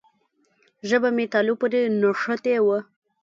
ژبه مې تالو پورې نښتې وه.